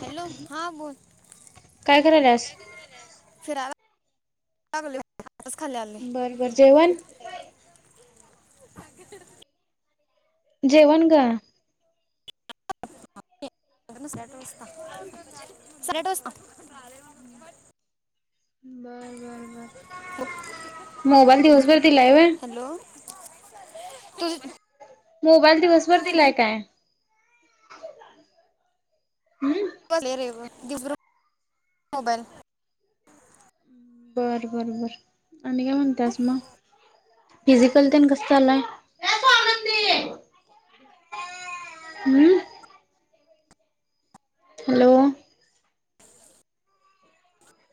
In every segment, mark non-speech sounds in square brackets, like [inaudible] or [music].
Hello हा बोल. काय करायलास [unintelligible] बर बर जेवण जेवण ग? [unintelligible] साडे आठ वाजता? हम्म. मोबाईल दिवसभर दिलाय व्हय हॅलो. [unintelligible] मोबाईल दिवसभर दिलाय काय हम्म. [unintelligible] मोबाईल. बर बर बर आणि काय म्हणतास मग, फिजिकल तेन कसं चाललंय. [unintelligible] हॅलो.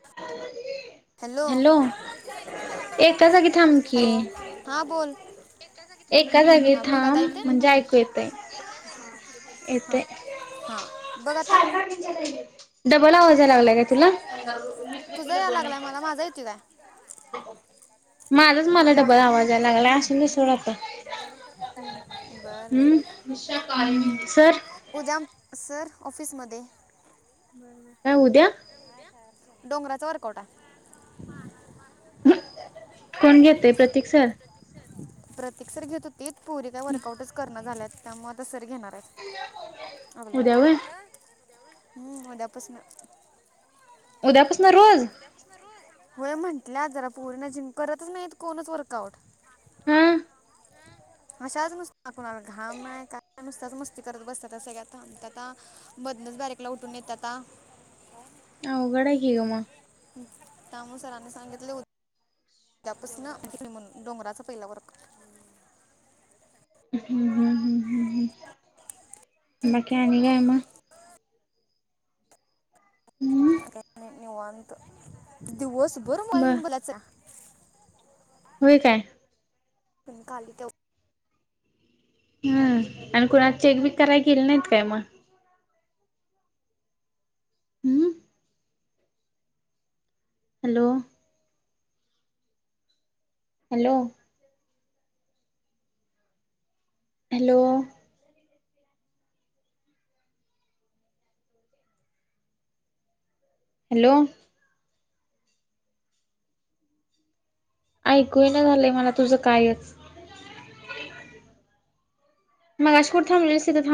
[unintelligible] हॅलो एका जागी थांब की हॅलो हां बोल. एका जागी थांब एका की, जागी हां बघ थांब आता येतंय. म्हणजे ऐकू येतय येतय हा हा बघ आता. डबल आवाज या लागलाय का तुला? तुझा या लागलाय मला माझा येतो काय माझाच मला डबल आवाज याय लागलाय आसून [unintelligible] आता. झाल तर काय आता बरं बर. Usha colony sir. उद्या म सर ऑफिसमध्ये. बरोबर काय ऊद्या? डोंगराचा वर्क आवटा. कोण घेतेय प्रतीक सर? प्रतिक सर घेत होतीत पोरी काय वर्कआउटच कर न झाल्यात, त्यामुळ ते सर घेणार आहेत. हा बोला उद्या व्हय. हम्म उद्यापासन. उद्यापासन रोज? उद्यापासन रोज? होय म्हंटल्यात जरा पोरी न जिम करतच नाही कोणच वर्कआउट. हम्म. अशाच नुस्तं कोणाला घाम नाही काय नुसत्याच मस्ती करत बसतात त्या सगळ्या थांबत्यात ता मधनच बारीकला उठून येतात ता. अवघड हाय की ग म. त्यामुळ सरांनी सांगितलय उद्य द्या पासन डोंगराच पहिला वर्क हम्म हम्म हम्म ह बाकी आणी काय म? हम्म आता काई निवांत दिवसभर मोबाईल बर घेऊन बोलायचं? होय काय? पण काली हम्म आणि कुणाला चेक बी कराय केले नाहीत काय मगं? हम्म. हॅलो. हॅलो. हॅलो. हॅलो. ऐकू येईना झालंय मला तुझं कायच. मगाशी कुठं थांबलीस तिथं थांब.